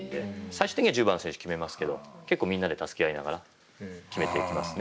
最終的には１０番の選手が決めますけど結構みんなで助け合いながら決めていきますね。